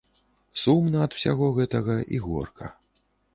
Сумна ад усяго гэтага і горка.